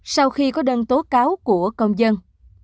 sau khi có đơn tố cáo của công dân